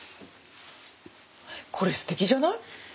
これすてきじゃない？